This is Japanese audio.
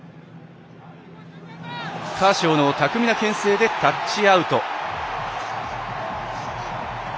カーショーの巧みなけん制でタッチアウト。